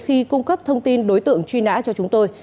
khi cung cấp thông tin đối tượng truy nã cho chúng tôi